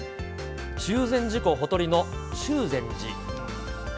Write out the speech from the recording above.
中禅寺湖ほとりの中禅寺。